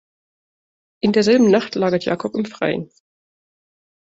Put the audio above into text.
In derselben Nacht lagert Jakob im Freien.